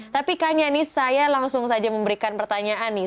tapi kanya nih saya langsung saja memberikan pertanyaan nih